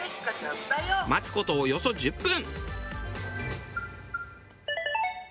待つ事およそ１０分。